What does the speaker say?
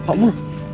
dan pak mu